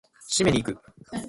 締めに行く！